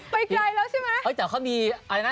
จริงเหรอไปไกลแล้วใช่ไหม